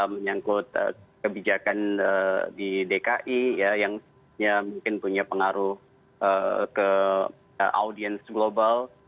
menyangkut kebijakan di dki yang mungkin punya pengaruh ke audiens global